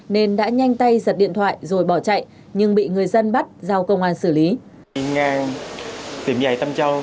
nên đã nhanh tay giật điện thoại rồi bỏ chạy nhưng bị người dân bắt giao công an xử lý